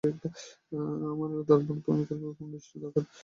আমরা তার বোন আর প্রেমিকপর ফোন লিস্ট দরকার।